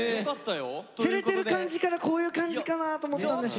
てれてる感じからこういう感じかなと思ったんですけど。